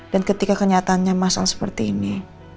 dan ketika kenyataannya masal seperti ini